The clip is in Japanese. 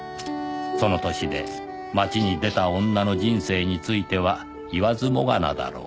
その歳で街に出た女の人生については言わずもがなだろう